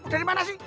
udah dimana sih